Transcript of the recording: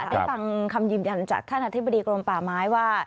ได้ฟังคำยืนยันจากท่านอธิบดีกรมป่าไม้ว่า